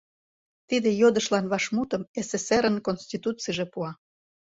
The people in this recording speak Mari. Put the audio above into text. Тиде йодышлан вашмутым СССР-ын Конституцийже пуа.